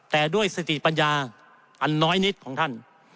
แต่ด้วยสติปัญญาอันน้อยนิดของท่าน